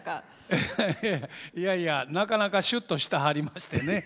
エッヘッヘッいやいやなかなかシュッとしたはりましてね